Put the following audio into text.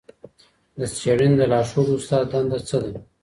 د څېړني د لارښود استاد دنده څه ده؟